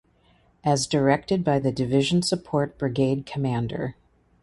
As directed by the division support brigade commander.